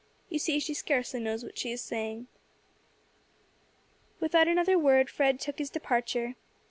You see she scarcely knows what she is saying." Without another word Fred took his departure.